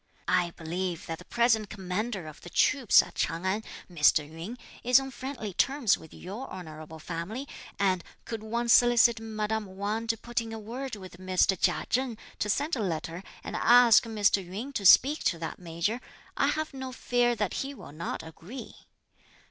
I believe that the present commander of the troops at Ch'ang An, Mr. Yün, is on friendly terms with your honourable family, and could one solicit madame Wang to put in a word with Mr. Chia Cheng to send a letter and ask Mr. Yün to speak to that Major, I have no fear that he will not agree.